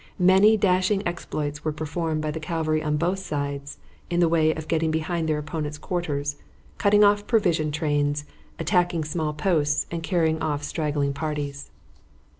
Many dashing exploits were performed by the cavalry on both sides in the way of getting behind their opponents' quarters, cutting off provision trains, attacking small posts, and carrying off straggling parties.